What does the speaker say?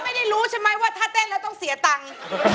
ไม่ได้รู้ใช่ไหมว่าถ้าเต้นแล้วต้องเสียตังค์